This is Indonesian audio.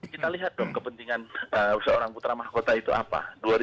kita lihat dong kepentingan seorang putra mahkota itu apa